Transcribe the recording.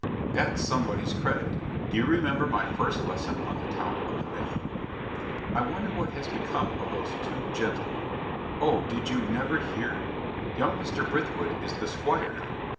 That's somebody's credit. Do you remember my first lesson on the top of the Mythe?" "I wonder what has become of those two gentlemen?" "Oh! did you never hear? Young Mr. Brithwood is the 'squire now.